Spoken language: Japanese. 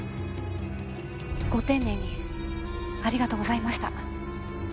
ご丁寧にありがとうございました。